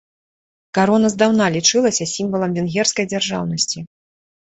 Карона здаўна лічылася сімвалам венгерскай дзяржаўнасці.